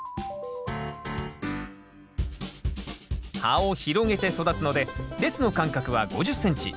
葉を広げて育つので列の間隔は５０ｃｍ。